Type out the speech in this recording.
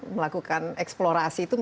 melakukan eksplorasi itu